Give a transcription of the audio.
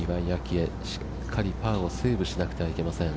愛、しっかりパーをセーブしなくてはいけません。